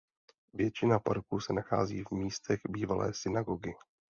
Většina parku se nachází v místech bývalé synagogy.